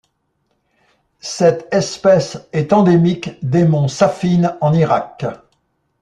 Cette espèce est endémique des monts Saffine en Irak.